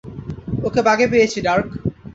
ওকে বাগে পেয়েছি, ডার্ক।